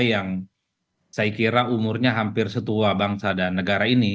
yang saya kira umurnya hampir setua bangsa dan negara ini